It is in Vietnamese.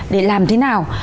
để làm thế nào